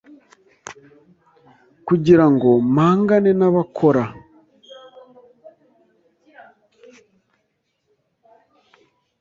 kugirango mpangane n’abakora